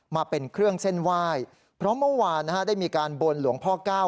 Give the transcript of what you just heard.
มาเป็นเครื่องเส้นไหว้เพราะเมื่อวานนะฮะได้มีการบนหลวงพ่อก้าว